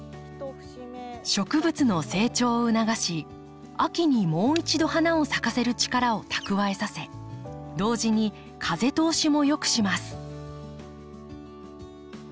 植物の成長を促し秋にもう一度花を咲かせる力を蓄えさせ同時に風通しも良くします。